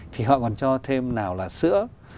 thì họ còn cho thêm nào là sữa